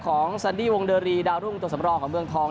ของซันดี้วงเดอรีดาวรุ่งตัวสำรองของเมืองทอง